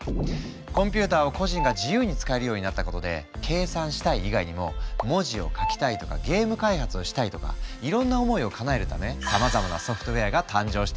コンピューターを個人が自由に使えるようになったことで「計算したい」以外にも「文字を書きたい」とか「ゲーム開発」をしたいとかいろんな思いをかなえるためさまざまなソフトウェアが誕生していくの。